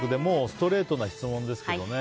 ストレートな質問ですけどね